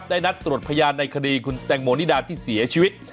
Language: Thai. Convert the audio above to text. นัดตรวจพยานในคดีคุณแตงโมนิดาที่เสียชีวิต